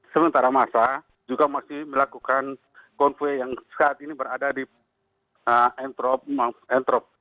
sementara masa juga masih melakukan konvoy yang saat ini berada di entrop